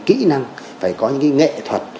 kỹ năng phải có những cái nghệ thuật